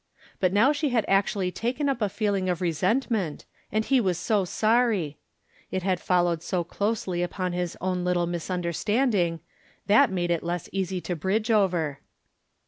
But now she had actually taken up a feeling of resentment, and he was so sorry ! It had followed so closely upon his own little misunderstanding — ^that made it less easy to bridge over.